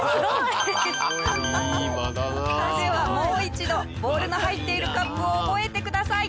下平：では、もう一度ボールの入っているカップを覚えてください。